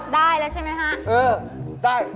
ได้เลยใช่ไหมฮะ